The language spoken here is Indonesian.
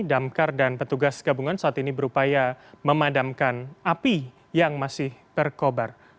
damkar dan petugas gabungan saat ini berupaya memadamkan api yang masih berkobar